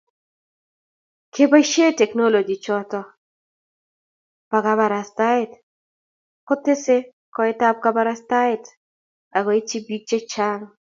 keboishe teknolochy choto bo kabarastaet ko tesee koet kabarastaet akoityi bik chechang